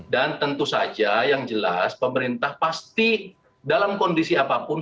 dan tentu saja yang jelas pemerintah pasti dalam kondisi apapun